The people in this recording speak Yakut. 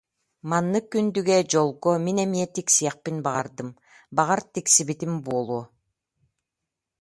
Маннык күндүгэ, дьолго мин эмиэ тиксиэхпин баҕардым, баҕар, тиксибитим буолуо